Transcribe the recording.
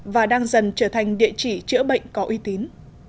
và đang dần trở thành địa chỉ chữa bệnh có uy tín